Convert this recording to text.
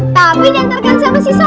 tapi dihantarkan sama si sobri